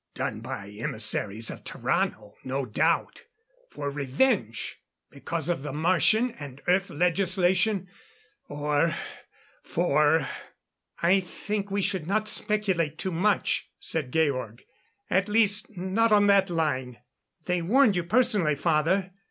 "Done by emissaries of Tarrano, no doubt. For revenge, because of the Martian and Earth legislation or for " "I think we should not speculate too much," said Georg. "At least, not on that line. They warned you personally, father.